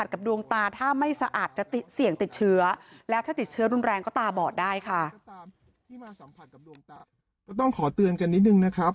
ก็ต้องขอเตือนกันนิดนึงนะครับ